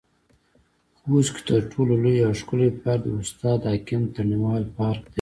خوست کې تر ټولو لوى او ښکلى پارک د استاد حکيم تڼيوال پارک دى.